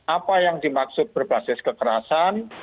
apa yang dimaksud berbasis kekerasan